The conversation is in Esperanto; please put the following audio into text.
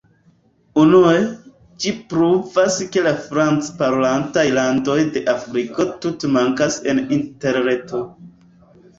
Unue, ĝi pruvas ke la franc-parolantaj landoj de Afriko tute mankas en Interreto.